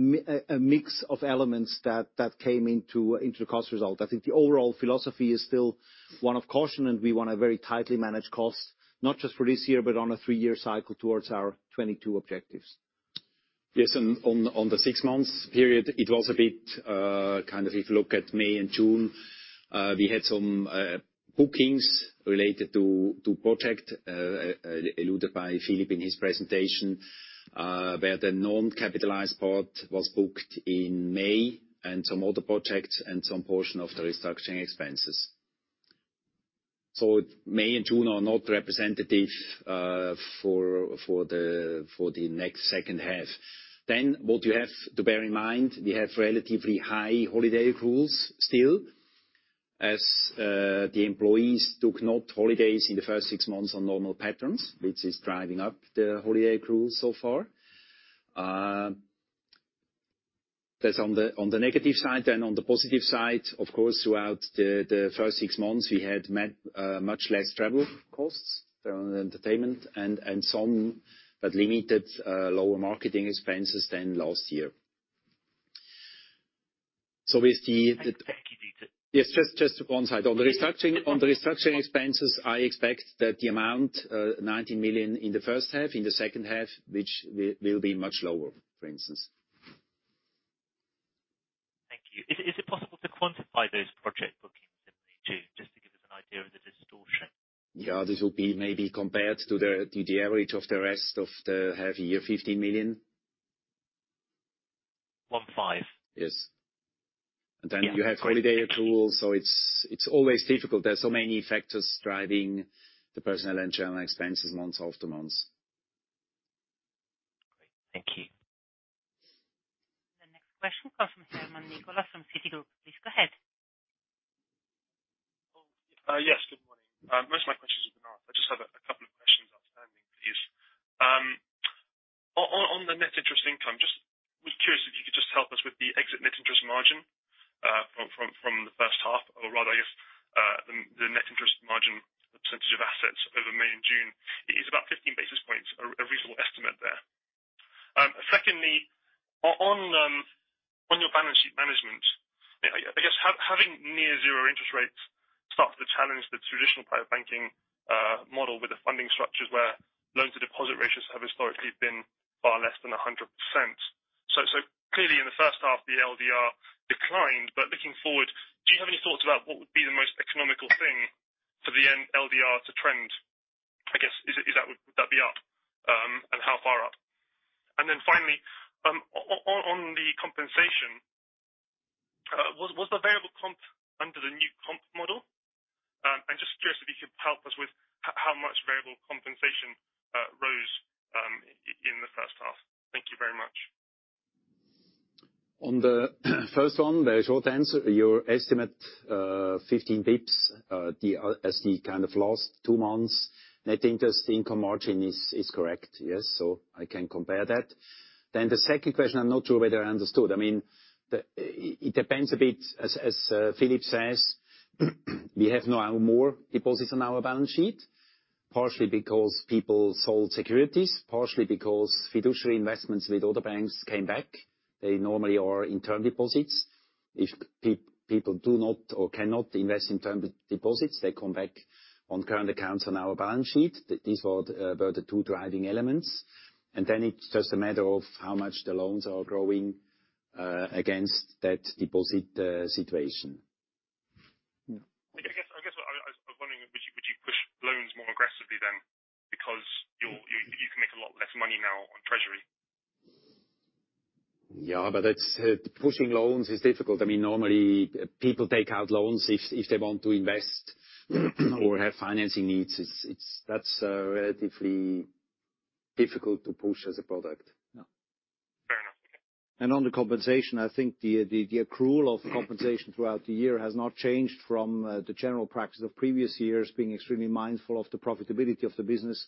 mix of elements that came into the cost result. I think the overall philosophy is still one of caution, and we want to very tightly manage costs, not just for this year, but on a three-year cycle towards our 2022 objectives. On the six-months period, it was a bit, kind of if you look at May and June, we had some bookings related to project, alluded by Philipp in his presentation, where the non-capitalized part was booked in May and some other projects and some portion of the restructuring expenses. May and June are not representative for the next second half. What you have to bear in mind, we have relatively high holiday accruals still as the employees took not holidays in the first six months on normal patterns, which is driving up the holiday accruals so far. That's on the negative side. On the positive side, of course, throughout the first six months we had much less travel costs than entertainment and some but limited lower marketing expenses than last year. We see that. Thank you, Dieter. Yes. Just one side. On the restructuring expenses, I expect that the amount, 19 million in the first half, in the second half, which will be much lower, for instance. Thank you. Is it possible to quantify those project bookings in May too, just to give us an idea of the distortion? Yeah. This will be maybe compared to the average of the rest of the half year, 15 million. 15? Yes. You have holiday accruals, it's always difficult. There are so many factors driving the personnel and general expenses month after month. Great. Thank you. The next question comes from Nicholas Herman from Citigroup. Please go ahead. Yes, good morning. Most of my questions have been asked. I just have a couple of questions outstanding, please. On the net interest income, just was curious if you could just help us with the exit net interest margin from the first half or rather, I guess, the net interest margin percentage of assets over May and June. Is about 15 basis points a reasonable estimate there? Secondly, on your balance sheet management, I guess having near zero interest rates start to challenge the traditional private banking model, with the funding structures where loan-to-deposit ratios have historically been far less than 100%. Clearly in the first half the LDR declined. Looking forward, do you have any thoughts about what would be the most economical thing for the LDR to trend? I guess, would that be up? How far up? Finally, on the compensation, was the variable comp under the new comp model? Just curious if you could help us with how much variable compensation rose in the first half. Thank you very much. On the first one, the short answer, your estimate, 15 basis points, as the kind of last two months net interest income margin is correct. Yes. I can compare that. The second question, I'm not sure whether I understood. I mean, It depends a bit as Philipp says, we have now more deposits on our balance sheet, partially because people sold securities, partially because fiduciary investments with other banks came back. They normally are in term deposits. If people do not or cannot invest in term deposits, they come back on current accounts on our balance sheet. These were the two driving elements. Then it's just a matter of how much the loans are growing against that deposit situation. because you can make a lot less money now on treasury. Yeah, it's pushing loans is difficult. I mean, normally people take out loans if they want to invest or have financing needs. That's relatively difficult to push as a product. Yeah. On the compensation, I think the accrual of compensation throughout the year has not changed from the general practice of previous years, being extremely mindful of the profitability of the business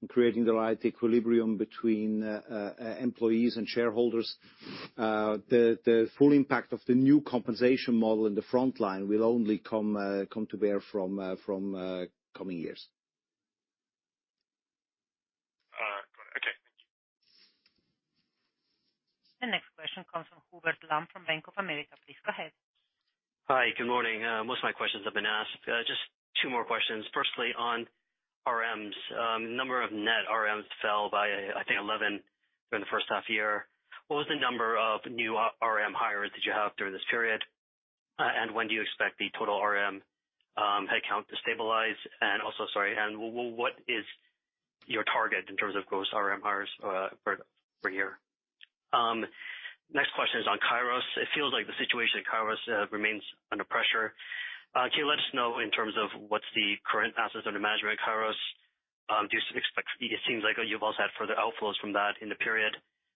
and creating the right equilibrium between employees and shareholders. The full impact of the new compensation model in the front line will only come to bear from coming years. Got it, okay. Thank you. The next question comes from Hubert Lam from Bank of America. Please go ahead. Hi, good morning. Most of my questions have been asked. Just two more questions. Firstly, on RMs. Number of net RMs fell by, I think, 11 during the first half year. What was the number of new RM hires that you have during this period? When do you expect the total RM headcount to stabilize? Also, sorry, what is your target in terms of gross RM hires per year? Next question is on Kairos. It feels like the situation at Kairos remains under pressure. Can you let us know in terms of what's the current assets under management at Kairos? Do you expect It seems like you've also had further outflows from that in the period.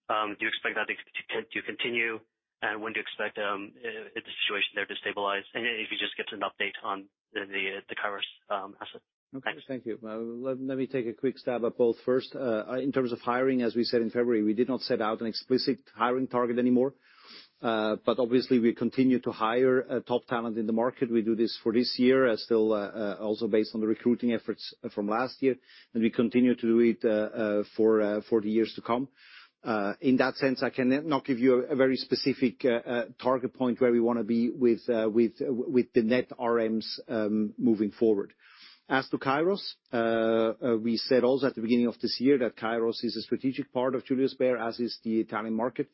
Do you expect that to continue? When do you expect the situation there to stabilize? If you just get an update on the Kairos asset. Thanks. Okay, thank you. Well, let me take a quick stab at both. First, in terms of hiring, as we said in February, we did not set out an explicit hiring target anymore. Obviously, we continue to hire top talent in the market. We do this for this year as still also based on the recruiting efforts from last year. We continue to do it for the years to come. In that sense, I cannot give you a very specific target point where we want to be with the net RMs moving forward. As to Kairos, we said also at the beginning of this year that Kairos is a strategic part of Julius Baer, as is the Italian market.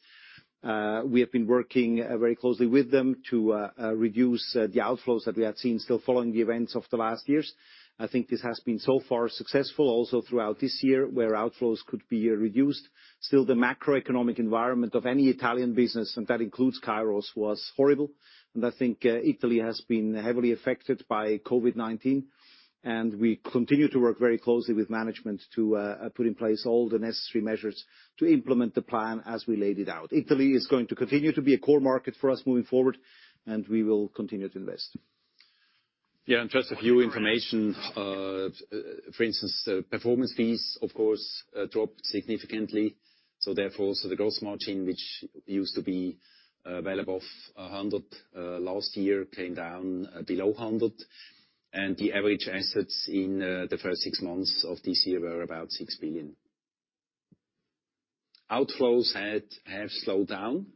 We have been working very closely with them to reduce the outflows that we had seen still following the events of the last years. I think this has been so far successful also throughout this year, where outflows could be reduced. The macroeconomic environment of any Italian business, and that includes Kairos, was horrible. I think Italy has been heavily affected by COVID-19, and we continue to work very closely with management to put in place all the necessary measures to implement the plan as we laid it out. Italy is going to continue to be a core market for us moving forward, and we will continue to invest. Just a few information. For instance, performance fees, of course, dropped significantly. Therefore, the gross margin, which used to be well above 100 last year, came down below 100. The average assets in the first six months of this year were about 6 billion. Outflows have slowed down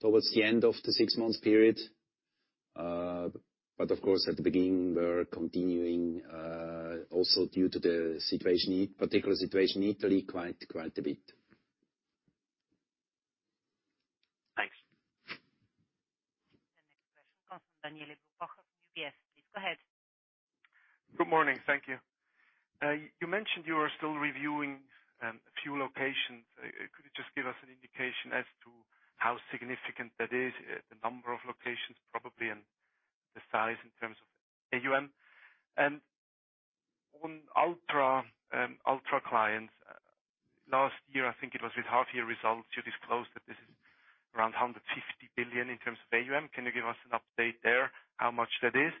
towards the end of the six-month period. Of course, at the beginning, we're continuing also due to the particular situation in Italy, quite a bit. Thanks. The next question comes from Daniele Brupbacher from UBS. Please go ahead. Good morning. Thank you. You mentioned you are still reviewing a few locations. Could you just give us an indication as to how significant that is, the number of locations probably and the size in terms of AUM? On ultra clients, last year, I think it was with half-year results, you disclosed that this is around 150 billion in terms of AUM. Can you give us an update there, how much that is?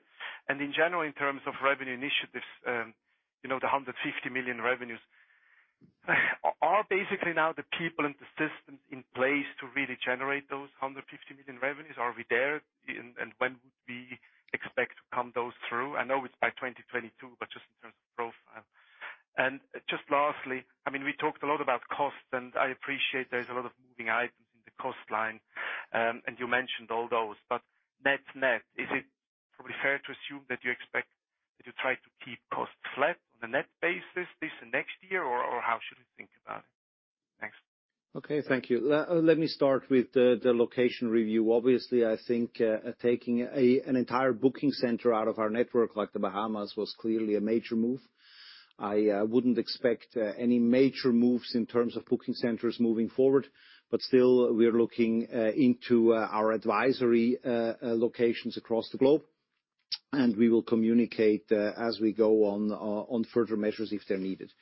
In general, in terms of revenue initiatives, you know, the 150 million revenues, are basically now the people and the systems in place to really generate those 150 million revenues? Are we there? When would we expect to come those through? I know it's by 2022, but just in terms of profile. Just lastly, I mean, we talked a lot about costs, and I appreciate there's a lot of moving items in the cost line. You mentioned all those. Net-net, is it probably fair to assume that you expect that you try to keep costs flat on a net basis this and next year, or how should we think about it? Thanks. Okay, thank you. Let me start with the location review. Obviously, I think, taking a, an entire booking center out of our network like the Bahamas was clearly a major move. I wouldn't expect any major moves in terms of booking centers moving forward. Still, we are looking into our advisory locations across the globe, and we will communicate as we go on on further measures if they're needed.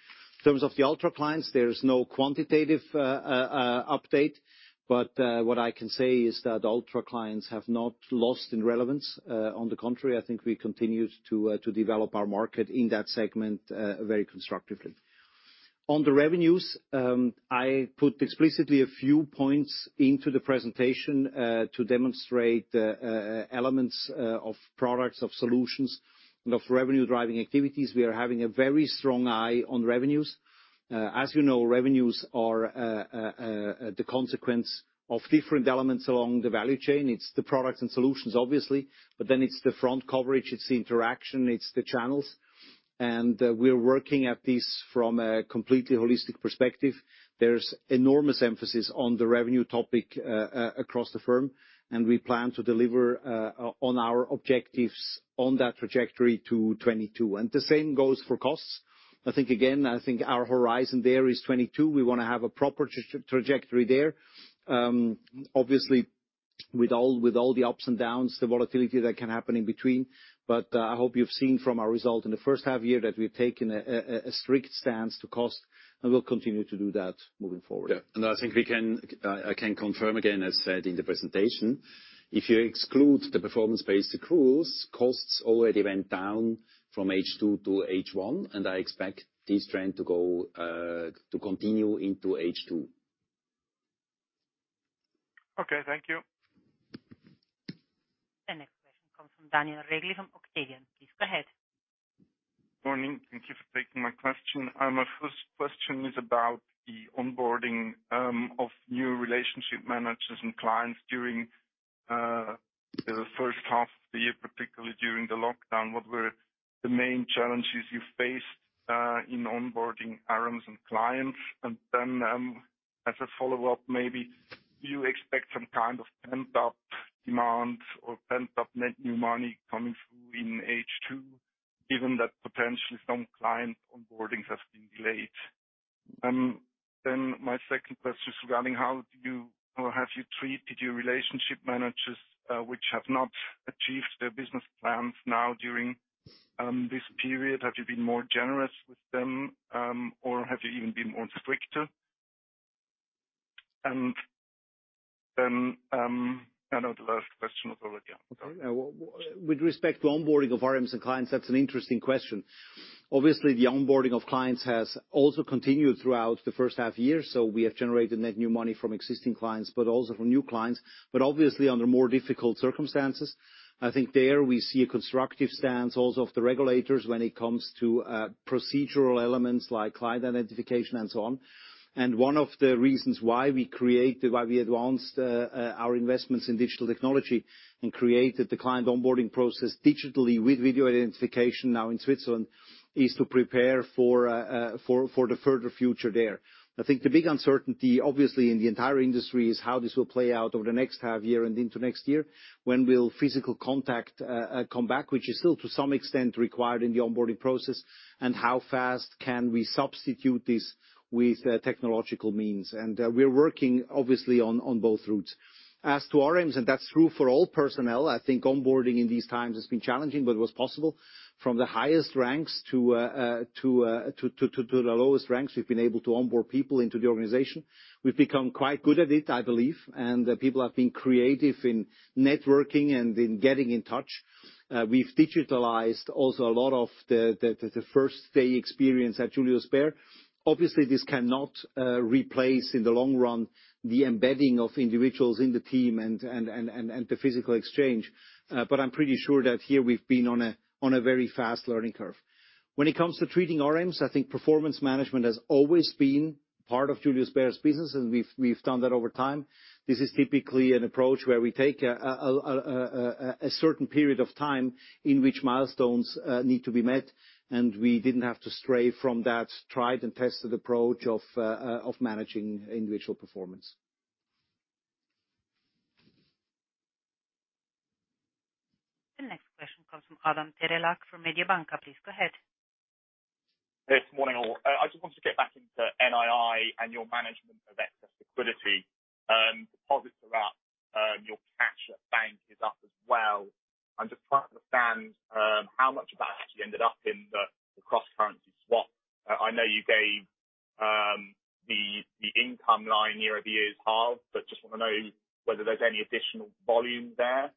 In terms of the ultra clients, there is no quantitative update. What I can say is that ultra clients have not lost in relevance. On the contrary, I think we continue to develop our market in that segment very constructively. On the revenues, I put explicitly a few points into the presentation to demonstrate elements of products, of solutions, and of revenue-driving activities. We are having a very strong eye on revenues. As you know, revenues are the consequence of different elements along the value chain. It's the products and solutions, obviously, but then it's the front coverage, it's the interaction, it's the channels. We're working at this from a completely holistic perspective. There's enormous emphasis on the revenue topic across the firm. We plan to deliver on our objectives on that trajectory to 2022. The same goes for costs. I think, again, I think our horizon there is 2022. We want to have a proper trajectory there. Obviously, with all the ups and downs, the volatility that can happen in between. I hope you've seen from our result in the first half year that we've taken a strict stance to cost, and we'll continue to do that moving forward. No, I think I can confirm again, as said in the presentation, if you exclude the performance-based accruals, costs already went down from H-2 to H-1, and I expect this trend to continue into H-2. Okay, thank you. The next question comes from Daniel Regli from Octavian. Please go ahead. Morning. Thank you for taking my question. My first question is about the onboarding of new relationship managers and clients during the first half of the year, particularly during the lockdown. What were the main challenges you faced in onboarding RMs and clients? As a follow-up, maybe do you expect some kind of pent-up demand or pent-up net new money coming through in H2, given that potentially some client onboardings have been delayed? My second question is regarding how do you or have you treated your relationship managers which have not achieved their business plans now during this period? Have you been more generous with them, or have you even been more stricter? I know the last question was already answered. Sorry. With respect to onboarding of RMs and clients, that's an interesting question. Obviously, the onboarding of clients has also continued throughout the first half year, so we have generated net new money from existing clients, but also from new clients. Obviously under more difficult circumstances. I think there we see a constructive stance also of the regulators when it comes to procedural elements like client identification and so on. One of the reasons why we created, why we advanced our investments in digital technology and created the client onboarding process digitally with video identification now in Switzerland, is to prepare for the further future there. I think the big uncertainty, obviously, in the entire industry is how this will play out over the next half year and into next year. When will physical contact come back, which is still to some extent required in the onboarding process, and how fast can we substitute this with technological means. We're working obviously on both routes. As to RMs, and that's true for all personnel, I think onboarding in these times has been challenging, but it was possible. From the highest ranks to the lowest ranks, we've been able to onboard people into the organization. We've become quite good at it, I believe, and people have been creative in networking and in getting in touch. We've digitalized also a lot of the first-day experience at Julius Baer. Obviously, this cannot replace in the long run, the embedding of individuals in the team and the physical exchange. I'm pretty sure that here we've been on a very fast learning curve. When it comes to treating RMs, I think performance management has always been part of Julius Baer's business, and we've done that over time. This is typically an approach where we take a certain period of time in which milestones need to be met, and we didn't have to stray from that tried and tested approach of managing individual performance. The next question comes from Adam Terelak from Mediobanca. Please go ahead. Yes, morning, all. I just wanted to get back into NII and your management of excess liquidity. Deposits are up, your cash at bank is up as well. I'm just trying to understand how much of that actually ended up in the cross-currency swap. I know you gave the income line year-over-year is half, but just want to know whether there's any additional volume there.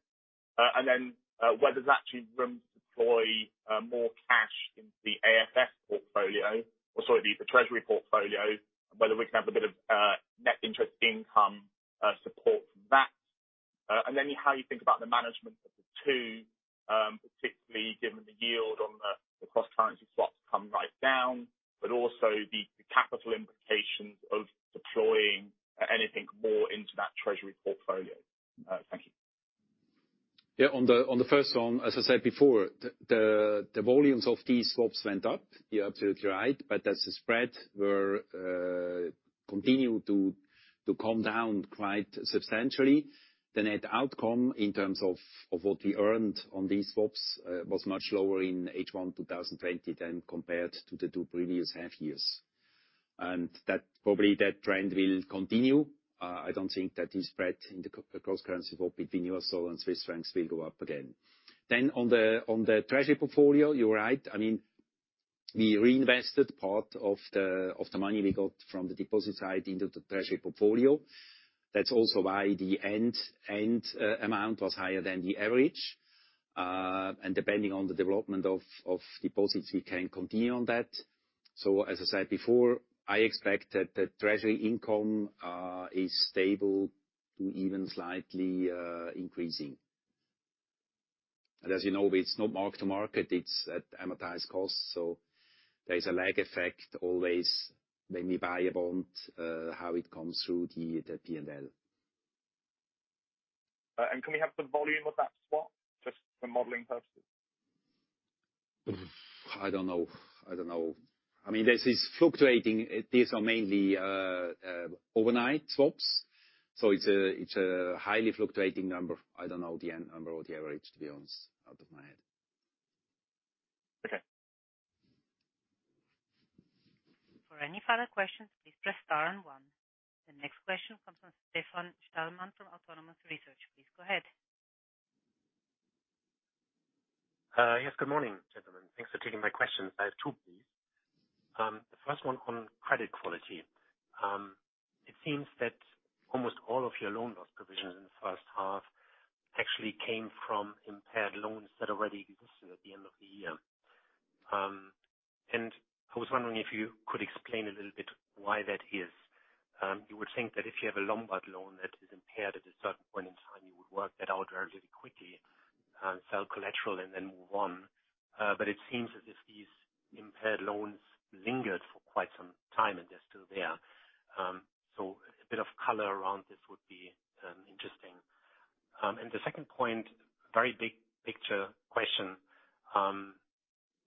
Whether there's actually room to deploy more cash into the FVOCI portfolio, or sorry, the treasury portfolio, and whether we can have a bit of net interest income support from that. How you think about the management of the two, particularly given the yield on the cross-currency swaps come right down, but also the capital implications of deploying anything more into that treasury portfolio. Thank you. Yeah. On the first one, as I said before, the volumes of these swaps went up. You're absolutely right. As the spread continued to come down quite substantially, the net outcome in terms of what we earned on these swaps was much lower in H1 2020 than compared to the two previous half years. Probably that trend will continue. I don't think that the spread in the cross-currency swap between U.S. dollar and Swiss francs will go up again. Then on the treasury portfolio, you're right. I mean, we reinvested part of the money we got from the deposit side into the treasury portfolio. That's also why the end amount was higher than the average. Depending on the development of deposits, we can continue on that. As I said before, I expect that the treasury income is stable to even slightly increasing. As you know, it's not mark to market, it's at amortized cost. There is a lag effect always when we buy a bond, how it comes through the P&L. Can we have the volume of that swap, just for modeling purposes? I don't know. I mean, this is fluctuating. These are mainly overnight swaps, so it's a highly fluctuating number. I don't know the end number or the average, to be honest, out of my head. Okay. For any further questions, please press star and one. The next question comes from Stefan Stalmann from Autonomous Research. Please go ahead. Yes, good morning, gentlemen. Thanks for taking my questions. I have two, please. The first one on credit quality. It seems that almost all of your loan loss provisions in the first half actually came from impaired loans that already existed at the end of the year. I was wondering if you could explain a little bit why that is. You would think that if you have a Lombard loan that is impaired at a certain point in time, you would work that out relatively quickly, sell collateral and then move on. It seems as if these impaired loans lingered for quite some time, and they're still there. A bit of color around this would be interesting. The second point, very big picture question.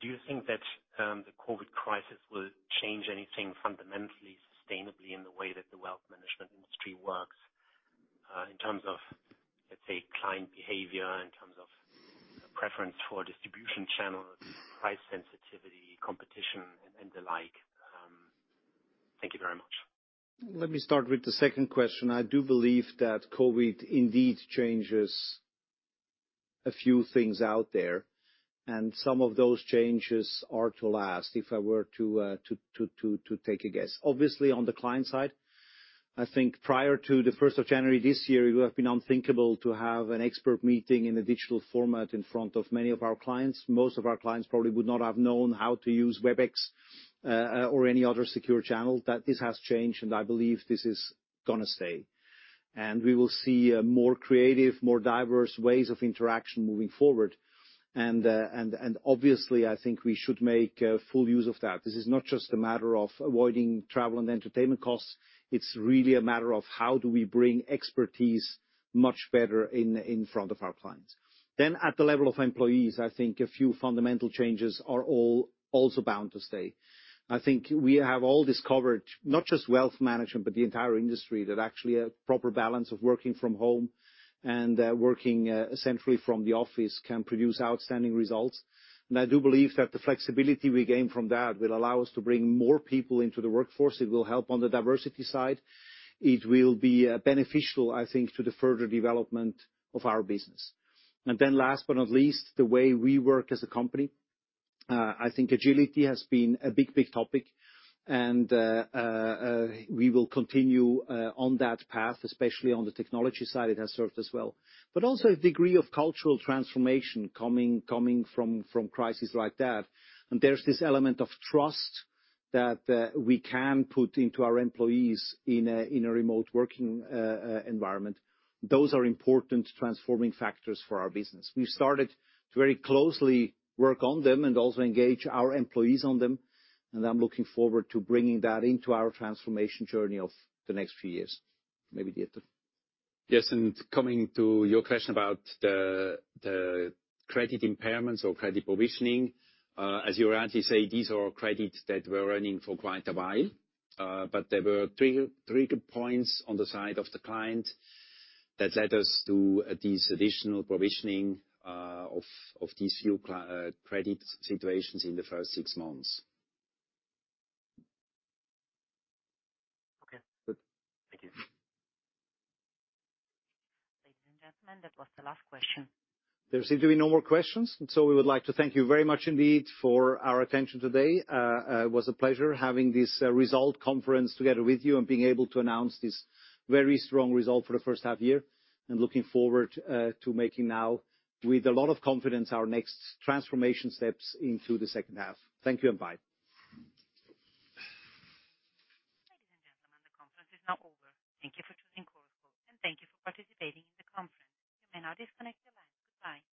Do you think that the COVID crisis will change anything fundamentally, sustainably in the way that the wealth management industry works, in terms of, let's say, client behavior, in terms of preference for distribution channels, price sensitivity, competition and the like? Thank you very much. Let me start with the second question. I do believe that COVID indeed changes a few things out there, and some of those changes are to last, if I were to take a guess. Obviously, on the client side, I think prior to the first of January this year, it would have been unthinkable to have an expert meeting in a digital format in front of many of our clients. Most of our clients probably would not have known how to use Webex or any other secure channel. This has changed, and I believe this is going to stay. We will see more creative, more diverse ways of interaction moving forward. Obviously, I think we should make full use of that. This is not just a matter of avoiding travel and entertainment costs. It's really a matter of how do we bring expertise much better in front of our clients. At the level of employees, I think a few fundamental changes are also bound to stay. I think we have all discovered, not just wealth management, but the entire industry, that actually a proper balance of working from home and working centrally from the office can produce outstanding results. I do believe that the flexibility we gain from that will allow us to bring more people into the workforce. It will help on the diversity side. It will be beneficial, I think to the further development of our business. Last but not least, the way we work as a company. I think agility has been a big, big topic and we will continue on that path, especially on the technology side it has served us well. Also a degree of cultural transformation coming from crises like that. There's this element of trust that we can put into our employees in a remote working environment. Those are important transforming factors for our business. We've started to very closely work on them and also engage our employees on them, and I'm looking forward to bringing that into our transformation journey of the next few years. Maybe Dieter. Yes, coming to your question about the credit impairments or credit provisioning. As you rightly say, these are credits that were running for quite a while. There were trigger points on the side of the client that led us to these additional provisioning of these few credit situations in the first six months. Okay. Thank you. Ladies and gentlemen, that was the last question. There seem to be no more questions. We would like to thank you very much indeed for our attention today. It was a pleasure having this result conference together with you and being able to announce this very strong result for the first half year. Looking forward to making now, with a lot of confidence, our next transformation steps into the second half. Thank you and bye. Ladies and gentlemen, the conference is now over. Thank you for choosing Chorus Call, and thank you for participating in the conference. You may now disconnect your line. Goodbye.